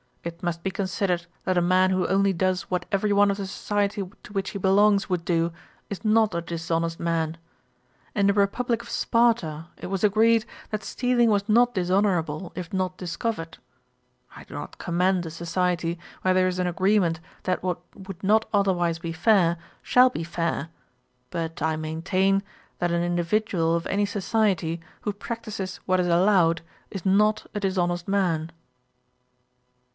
It must be considered, that a man who only does what every one of the society to which he belongs would do, is not a dishonest man. In the republick of Sparta, it was agreed, that stealing was not dishonourable, if not discovered. I do not commend a society where there is an agreement that what would not otherwise be fair, shall be fair; but I maintain, that an individual of any society, who practises what is allowed, is not a dishonest man.'